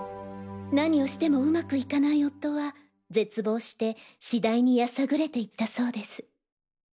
何をしても上手くいかない夫は絶望して次第にやさぐれていったそうです。